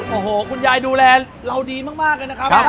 โอ้โหคุณยายดูแลเราดีมากเลยนะครับ